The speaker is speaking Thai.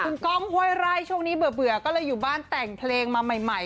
คุณก้องห้วยไร่ช่วงนี้เบื่อก็เลยอยู่บ้านแต่งเพลงมาใหม่